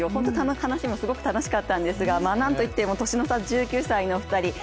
すごく楽しかったんですがなんといっても年の差１９歳の２人。